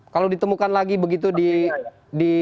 kalau ditemukan lagi begitu di